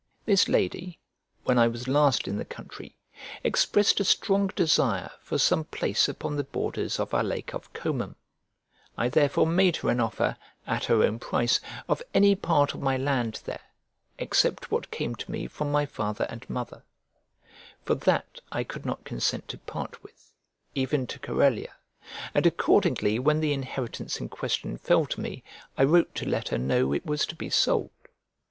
This lady, when I was last in the country, expressed a strong desire for some place upon the borders of our lake of Comum; I therefore made her an offer, at her own price, of any part of my land there, except what came to me from my father and mother; for that I could not consent to part with, even to Corellia, and accordingly when the inheritance in question fell to me, I wrote to let her know it was to be sold.